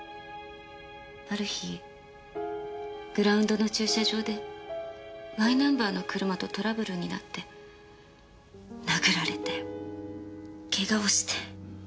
ある日グラウンドの駐車場でＹナンバーの車とトラブルになって殴られてケガをして。